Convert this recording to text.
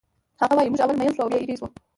هغه وایی موږ اول مین شو او بیا ایرې شو